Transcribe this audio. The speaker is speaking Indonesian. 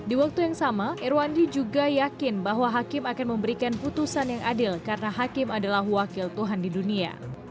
di waktu yang sama irwandi juga yakin bahwa hakim akan memberikan putusan yang adil karena hakim adalah wakil tuhan di dunia